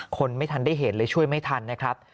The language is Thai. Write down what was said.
คนไม่ทันได้เห็นเลยช่วยไม่ทันนะครับ